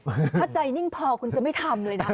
ถ้าใจนิ่งพอคุณจะไม่ทำเลยนะ